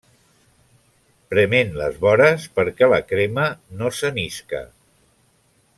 Prement les vores perquè la crema no se n’isca.